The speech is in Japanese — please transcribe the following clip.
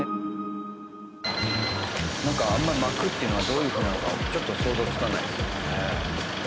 なんかあんまり巻くっていうのはどういうふうなのかちょっと想像つかないですよね。